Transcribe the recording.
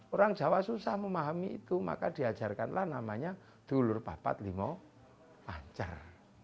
orang jawa susah memahami itu maka diajarkan lah namanya dulur papat limo pancer